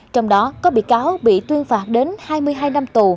trong đó có bị cáo bị tuyên phạt đến hai mươi hai năm tù